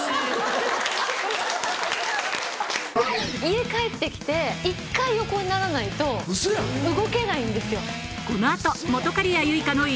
家帰って来て１回横にならないと動けないんですよ。